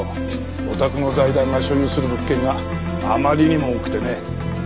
お宅の財団が所有する物件があまりにも多くてね。